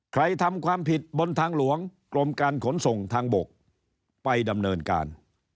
ใครทำความผิดบนทางหลวงกรมการขนส่งทางบกไปดำเนินการ